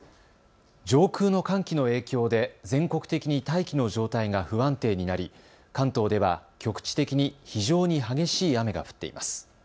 上空の寒気の影響で全国的に大気の状態が不安定になり関東では局地的に非常に激しい雨が降っています。